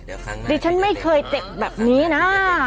ดิฉันไม่เคยเจ็บแบบนี้นะ